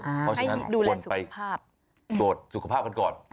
เพราะฉะนั้นควรไปตรวจสุขภาพกันก่อน